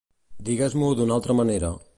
Digues-ho d'una altra manera.